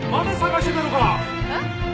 えっ？